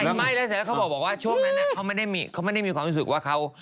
ไม่แล้วเสร็จแล้วเขาบอกว่าช่วงนั้นเขาไม่ได้มีความรู้สึกว่าเขา